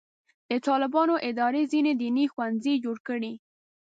د طالبانو ادارې ځینې دیني ښوونځي جوړ کړي.